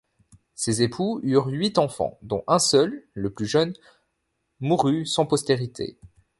Ces époux eurent huit enfants, dont un seul, le plus jeune, mourut sans postérité.